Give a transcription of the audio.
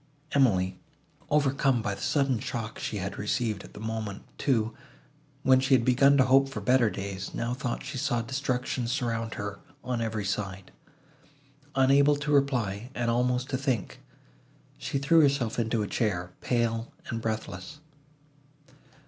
Emily, overcome by the sudden shock she had received, at the moment, too, when she had begun to hope for better days, now thought she saw destruction surround her on every side. Unable to reply, and almost to think, she threw herself into a chair, pale and breathless.